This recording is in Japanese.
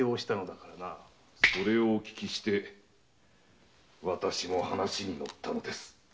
それをお聞きして私も話に乗ったのです。